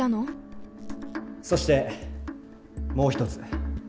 そしてもう一つ。